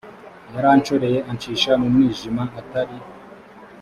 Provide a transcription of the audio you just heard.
yaranshoreye ancisha mu mwijima atari